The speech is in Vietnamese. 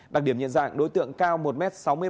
đặc điểm nhận dạng đối tượng cao một m sáu mươi bảy